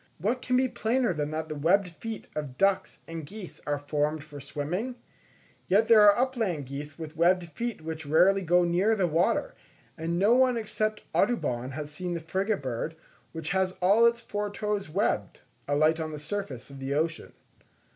What can be plainer than that the webbed feet of ducks and geese are formed for swimming? Yet there are upland geese with webbed feet which rarely go near the water; and no one except Audubon, has seen the frigate bird, which has all its four toes webbed, alight on the surface of the ocean.